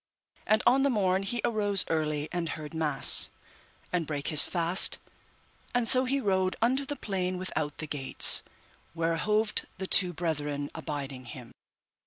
And on the morn he arose early and heard mass, and brake his fast, and so he rode unto the plain without the gates, where hoved the two brethren abiding him.